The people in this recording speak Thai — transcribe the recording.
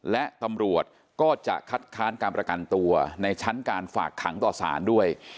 และตำรวจก็จะคัดค้านการประกันตัวในชั้นการฝากขังต่อสารด้วย